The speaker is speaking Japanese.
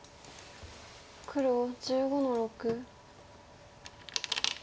黒１５の六。